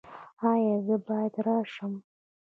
ایا زه باید راشم؟